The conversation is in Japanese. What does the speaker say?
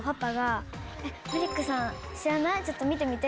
ちょっと見てみて！